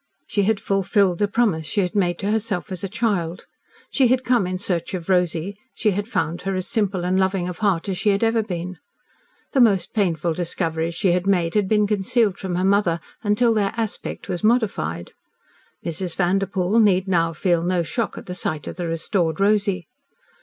She had fulfilled the promise she had made to herself as a child. She had come in search of Rosy, she had found her as simple and loving of heart as she had ever been. The most painful discoveries she had made had been concealed from her mother until their aspect was modified. Mrs. Vanderpoel need now feel no shock at the sight of the restored Rosy.